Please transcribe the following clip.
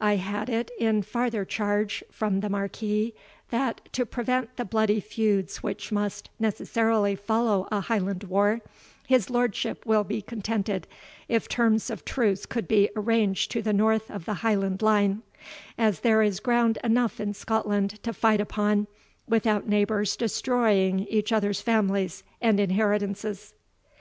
I had it in farther charge from the Marquis, that, to prevent the bloody feuds which must necessarily follow a Highland war, his lordship will be contented if terms of truce could be arranged to the north of the Highland line, as there is ground enough in Scotland to fight upon, without neighbours destroying each other's families and inheritances."